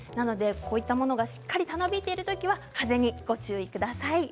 こういったものがしっかりたなびいているときは風にご注意ください。